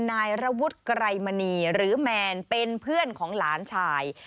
นายระวุฒิไกรมณีหรือแมนเป็นเพื่อนของหลานชาย